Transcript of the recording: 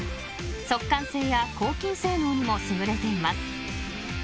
速乾性や抗菌性能にも優れています。